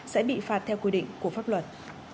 sẽ bị phạt theo quy định của pháp luật